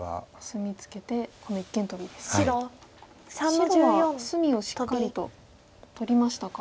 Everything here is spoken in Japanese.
白は隅をしっかりと取りましたか？